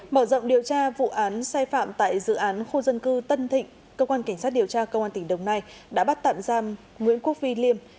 mở rộng điều tra vụ án sai phạm tại dự án khu dân cư tân thịnh cơ quan cảnh sát điều tra công an tỉnh đồng nai đã bắt tạm giam nguyễn quốc vi liêm